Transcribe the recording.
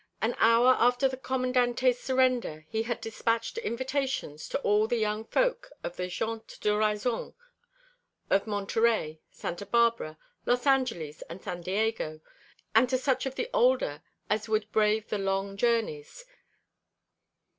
An hour after the Commandante's surrender he had despatched invitations to all the young folk of the gente de razon of Monterey, Santa Barbara, Los Angeles, and San Diego, and to such of the older as would brave the long journeys.